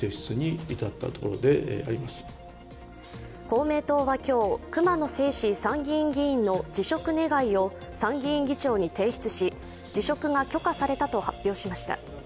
公明党は今日、熊野正士参議院議員の辞職願を参議院議長に提出し辞職が許可されたと発表しました。